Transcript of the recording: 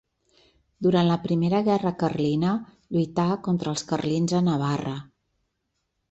Durant la Primera Guerra Carlina lluità contra els carlins a Navarra.